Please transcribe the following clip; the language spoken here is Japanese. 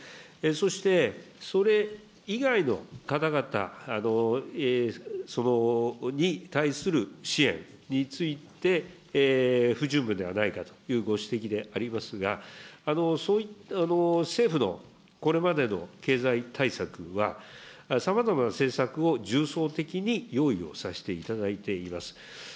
そして、それ以外の方々に対する支援について、不十分ではないかというご指摘でありますが、政府のこれまでの経済対策は、さまざまな政策を重層的に用意をさせていただいています。